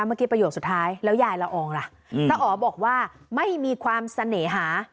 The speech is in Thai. เมื่อกี้ประโยชน์สุดท้ายแล้วยายละอองล่ะอ๋อบอกว่าไม่มีความเสน่หา